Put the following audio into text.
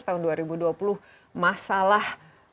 tahun dua ribu dua puluh masalah